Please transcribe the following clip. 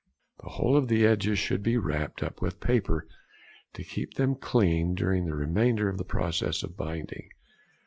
The whole of the edges should be wrapped up with paper to keep them clean during the remainder of the process of binding.